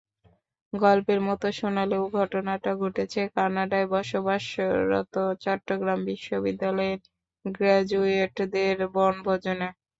গল্পের মতো শোনালেও ঘটনাটা ঘটেছে কানাডায় বসবাসরত চট্টগ্রাম বিশ্ববিদ্যালয়ের গ্র্যাজুয়েটদের বনভোজনে।